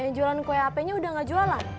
yang jualan kue hp nya udah gak jualan